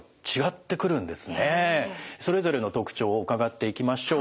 それぞれの特徴を伺っていきましょう。